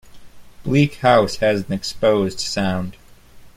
Bleak House has an exposed sound.